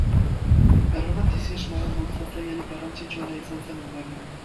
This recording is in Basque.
Erromantizismoaren bultzatzailerik garrantzitsuena izan zen Hungarian.